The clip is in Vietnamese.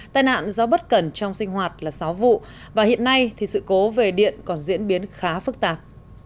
tai nạn do bất cẩn trong sinh hoạt là sáu vụ và hiện nay thì sự cố về điện còn diễn biến khá phức tạp